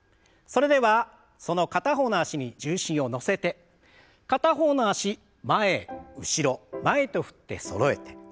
それではその片方の脚に重心を乗せて片方の脚前後ろ前と振ってそろえて。